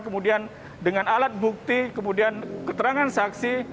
kemudian dengan alat bukti kemudian keterangan saksi